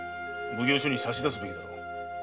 奉行所に差し出すべきだろう。